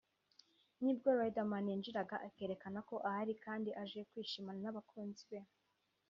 ni bwo Riderman yinjiraga akerekana ko ahari kandi aje kwishimina n’abakunzi be